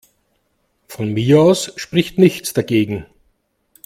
Von mir aus spricht nichts dagegen.